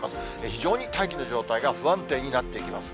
非常に大気の状態が不安定になってきます。